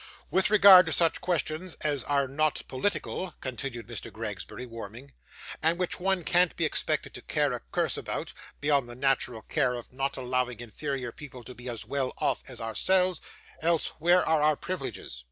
'With regard to such questions as are not political,' continued Mr Gregsbury, warming; 'and which one can't be expected to care a curse about, beyond the natural care of not allowing inferior people to be as well off as ourselves else where are our privileges?